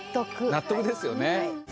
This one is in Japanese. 納得ですよね。